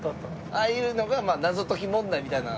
ああいうのがまあ謎解き問題みたいな。